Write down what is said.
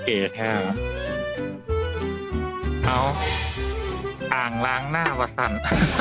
เอาอ่างล้างหน้าวัดสั่น